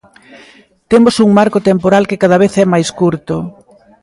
Temos un marco temporal que cada vez é máis curto.